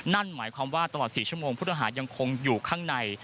นั่นหมายความว่าตลอด๔ชั่วโมงผู้ต้องหายังคงอยู่ข้างใน